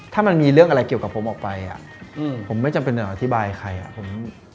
ถ้ามันมีเรื่องอะไรเกี่ยวกับผมออกไปอ่ะผมไม่จำเป็นจะอธิบายใครอ่ะผม